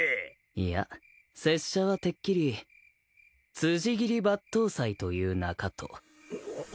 いや拙者はてっきり辻斬り抜刀斎という名かと。